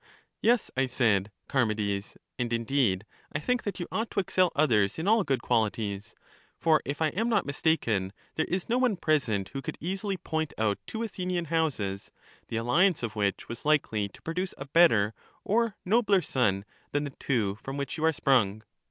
Yes, I said, Charmides; and indeed I think that you ought to excel others in all good qualities; for if I am not mistaken there is no one present who could easily point out two Athenian houses, the alliance of which was likely to produce a better or nobler son than the two from which you are sprung.